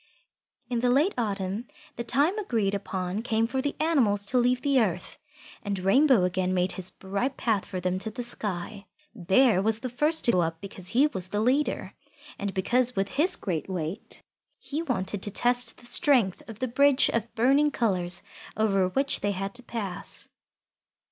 In the late autumn, the time agreed upon came for the animals to leave the earth, and Rainbow again made his bright path for them to the sky. Bear was the first to go up because he was the leader, and because with his great weight he wanted to test the strength of the bridge of burning colours over which they had to pass.